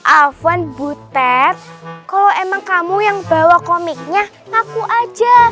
afon butet kalau emang kamu yang bawa komiknya ngaku aja